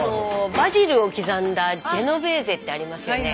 バジルを刻んだジェノベーゼってありますよね。